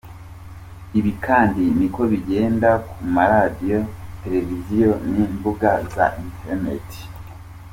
Ibi kandi niko bigenda ku maradiyo, televiziyo n’imbuga za interineti.